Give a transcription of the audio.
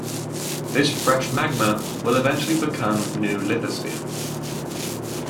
This fresh magma will eventually become new lithosphere.